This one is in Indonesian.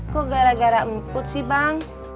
kok gara gara emput sih bang